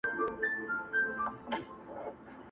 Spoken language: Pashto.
قلندر ولاړ وو خوله يې ښورېدله!!